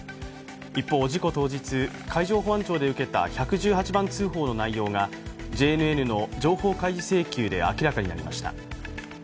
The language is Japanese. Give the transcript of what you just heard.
一方、事故当日、海上保安庁で受けた１１８番通報の内容がＪＮＮの情報開示請求で明らかになりました。